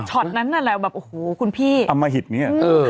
ช็อตนั้นน่ะแล้วแบบโอ้โหคุณพี่อำวัฒิมินี้อะอืม